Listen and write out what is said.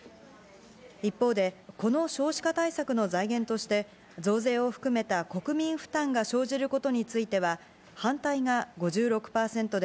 一方で、この少子化対策の財源として、増税を含めた国民負担が生じることについては、反対が５６％で、